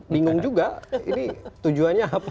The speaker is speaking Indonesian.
bingung juga ini tujuannya apa